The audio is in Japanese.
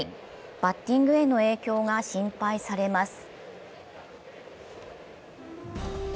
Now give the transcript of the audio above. バッティングへの影響が心配されます。